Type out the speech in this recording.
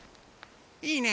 いいね